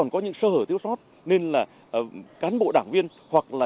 phủ nhận hoàn toàn